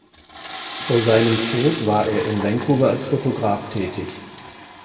Vor seinem Tod war er in Vancouver als Fotograf tätig.